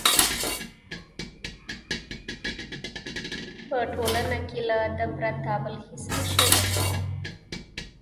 په ټولنه کې له ده پرته بل هېڅ مشر نه وو.